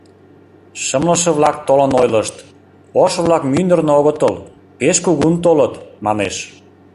— Шымлыше-влак толын ойлышт: ошо-влак мӱндырнӧ огытыл, пеш кугун толыт, манеш.